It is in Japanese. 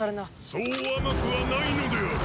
そう甘くはないのである！